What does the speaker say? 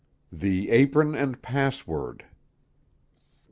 THE "APRON AND PASSWORD."